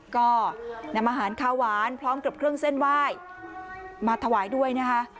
ก็นำอาหารข้าวหวานพร้อมกับเครื่องเส้นไหว้มาถวายด้วยนะคะ